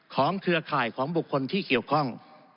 เครือข่ายของบุคคลที่เกี่ยวข้อง